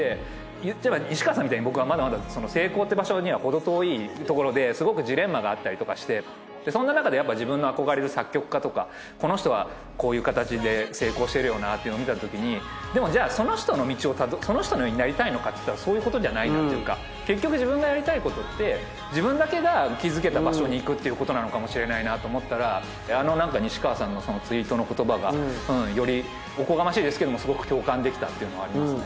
言っちゃえば西川さんみたいに僕はまだまだ成功っていう場所にはほど遠いところですごくジレンマがあったりとかしてそんななかで自分の憧れる作曲家とかこの人はこういう形で成功してるよなっていうのを見たときにでもじゃあその人のようになりたいのかっていったらそういうことじゃないなっていうか結局自分がやりたいことって自分だけが築けた場所にいくっていうことなのかもしれないなと思ったらあの西川さんのツイートの言葉がよりおこがましいですけどもすごく共感できたっていうのがありますね。